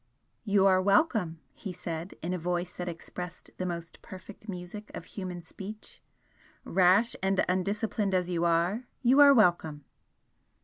"You are welcome!" he said, in a voice that expressed the most perfect music of human speech "Rash and undisciplined as you are, you are welcome!"